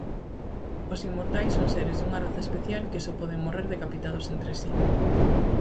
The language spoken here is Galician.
Os Inmortais son seres dunha raza especial que só poden morrer decapitados entre si.